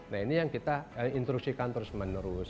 nah ini yang kita instruksikan terus menerus